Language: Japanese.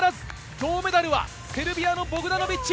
銅メダルはセルビアのボクダノビッチ。